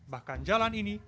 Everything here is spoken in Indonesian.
bahkan jalan ini